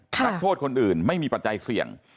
นักโทษคนอื่นไม่มีปัจจัยเสี่ยง